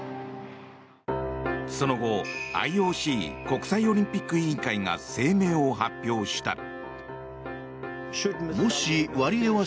その後、ＩＯＣ・国際オリンピック委員会が声明を発表した。